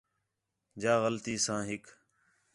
جا غلطی ساں ہِک